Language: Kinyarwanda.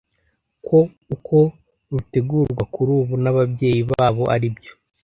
ko uko rutegurwa kuri ubu n’ababyeyi babo aribyo